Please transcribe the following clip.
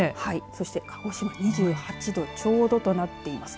そして鹿児島２８度ちょうどとなっています。